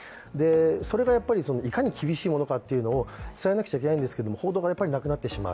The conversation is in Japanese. それがいかに厳しいものかというの伝えなくちゃいけないんですけど、報道がなくなってしまう。